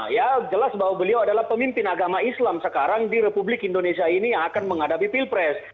ya jelas bahwa beliau adalah pemimpin agama islam sekarang di republik indonesia ini yang akan menghadapi pilpres